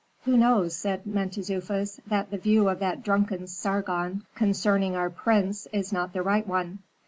"Who knows," said Mentezufis, "that the view of that drunken Sargon concerning our prince is not the right one?"